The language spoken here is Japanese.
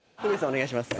お願いします。